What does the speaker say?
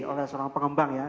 oleh seorang pengembang ya